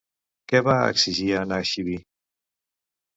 Què va exigir a Anaxibi?